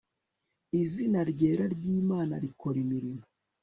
Izina ryera ryImana rikora imirimo